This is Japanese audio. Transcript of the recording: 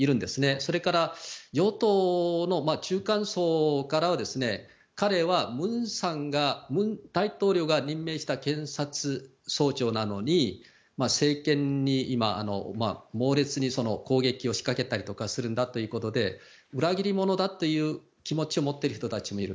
それから、与党の中間層からは彼は文大統領が任命した検察総長なのに政権に猛烈に攻撃を仕掛けたりするんだということで裏切り者だという気持ちを持っている人たちもいる。